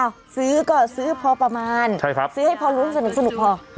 ซื้อก็ซื้อพอประมาณซื้อให้พอลุ้นสนุกพอ